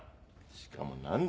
しかも何だ？